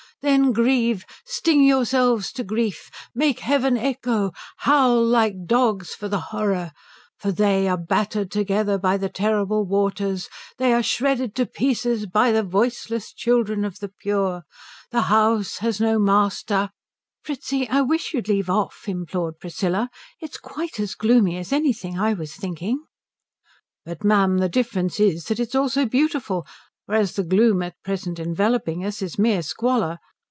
Then grieve, sting yourselves to grief, make heaven echo, howl like dogs for the horror, for they are battered together by the terrible waters, they are shredded to pieces by the voiceless children of the Pure. The house has no master '" "Fritzi, I wish you'd leave off," implored Priscilla. "It's quite as gloomy as anything I was thinking." "But ma'am the difference is that it is also beautiful, whereas the gloom at present enveloping us is mere squalor.